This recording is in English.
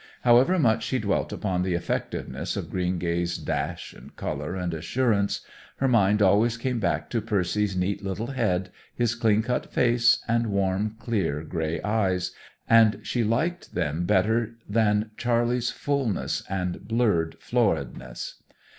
However much she dwelt upon the effectiveness of Greengay's dash and color and assurance, her mind always came back to Percy's neat little head, his clean cut face, and warm, clear, gray eyes, and she liked them better than Charley's fullness and blurred floridness.